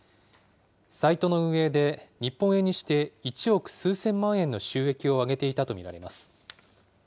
サイトの運営で日本円にして１億数千万円の収益を上げていたと見られます。